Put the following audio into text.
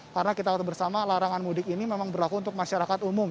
karena kita tahu bersama larangan mudik ini memang berlaku untuk masyarakat umum